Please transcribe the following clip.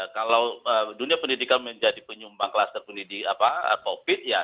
kalau dunia pendidikan menjadi penyumbang kluster pendidikan covid ya saya kira